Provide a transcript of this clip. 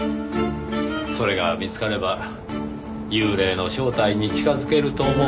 それが見つかれば幽霊の正体に近づけると思うのですが。